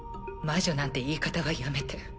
魔女なんて言い方はやめて。